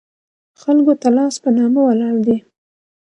خلکو ته لاس په نامه ولاړ دي.